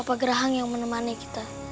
apa gerahang yang menemani kita